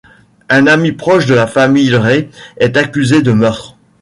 Un ami proche de la famille Drew est accusé de meurtre.